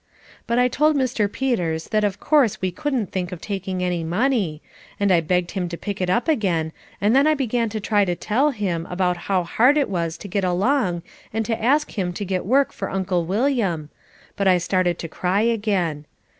But I told Mr. Peters that of course we couldn't think of taking any money, and I begged him to pick it up again and then I began to try to tell him about how hard it was to get along and to ask him to get work for Uncle William, but I started to cry again.